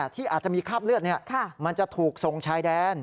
ที่อาจจะมีคราบเลือดมันจะถูกส่งชายแดน